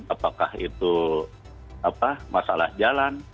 apakah itu masalah jalan